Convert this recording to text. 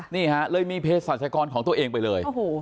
นี่ฮะเลยมีเพศรัชกรของตัวเองไปเลย